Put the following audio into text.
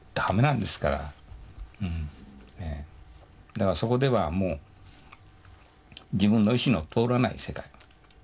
だからそこではもう自分の意思の通らない世界。